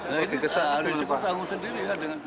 nah ini saya harus cekut tanggung sendiri